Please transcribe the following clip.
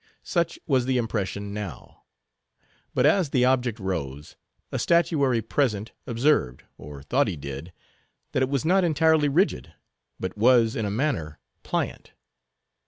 Such was the impression now. But, as the object rose, a statuary present observed, or thought he did, that it was not entirely rigid, but was, in a manner, pliant.